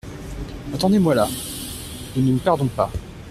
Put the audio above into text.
Attendez-moi là !… ne nous perdons pas !